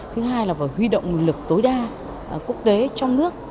thứ hai là phải huy động nguồn lực tối đa quốc tế trong nước